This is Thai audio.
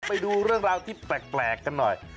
ไปดูเรื่องราวที่แปลกกันหน่อย